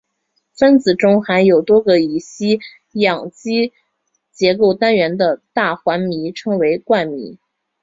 分子中含有多个乙烯氧基结构单元的大环醚称为冠醚。